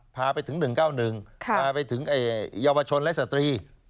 พาไปถึง๑๙๑พาไปถึงเยาวชนและสตรี